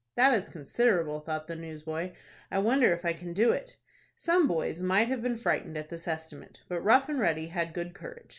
"That is considerable," thought the newsboy. "I wonder if I can do it." Some boys might have been frightened at this estimate. But Rough and Ready had good courage.